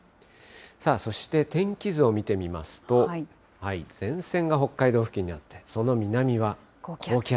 そして天気図を見てみますと、前線が北海道付近にあって、その南は高気圧。